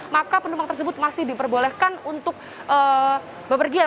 maka penumpang tersebut masih diperbolehkan untuk bepergian